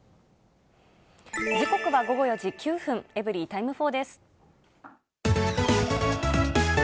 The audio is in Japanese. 時刻は午後４時９分、エブリィタイム４です。